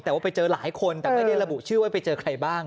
แต่ว่าไปเจอหลายคนแต่ไม่ได้ระบุชื่อว่าไปเจอใครบ้าง